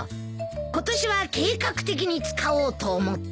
今年は計画的に使おうと思って。